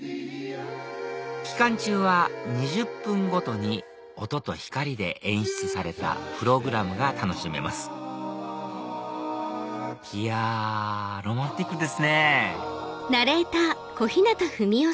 期間中は２０分ごとに音と光で演出されたプログラムが楽しめますいやロマンチックですね